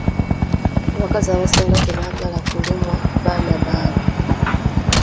Abakazi abasinga tebaagala kulumya baana baabwe.